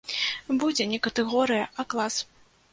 Будзе не катэгорыя, а клас.